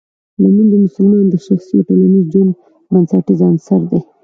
لمونځ د مسلمان د شخصي او ټولنیز ژوند بنسټیز عنصر دی.